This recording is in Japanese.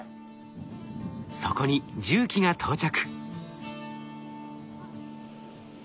そこに重機が到着。